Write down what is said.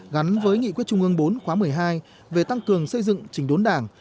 gắn với nghị quyết trung ương bốn khóa một mươi hai về tăng cường xây dựng trình đốn đảng